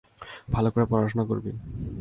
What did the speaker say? ভালো করে পড়াশোনা করবি।